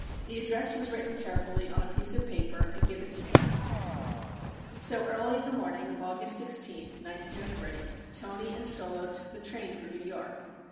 The address was written carefully on a piece of paper and given to Toni. So early in the morning of August 16th, 1903, Toni and Strollo took the train for New York.